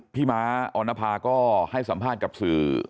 ม้าออนภาก็ให้สัมภาษณ์กับสื่อ